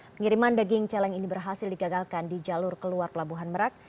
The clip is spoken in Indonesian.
pengiriman daging celeng ini berhasil digagalkan di jalur keluar pelabuhan merak